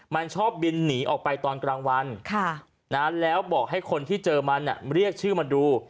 มันชอบบินหนีออกไปตอนกลางวันแล้วบอกให้คนที่เจอมันเรียกชื่อมาดู